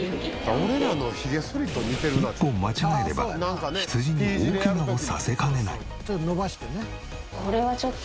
一歩間違えれば羊に大ケガをさせかねない。